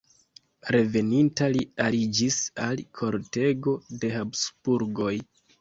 Reveninta li aliĝis al kortego de Habsburgoj.